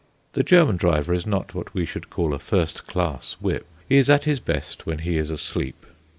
The German driver is not what we should call a first class whip. He is at his best when he is asleep.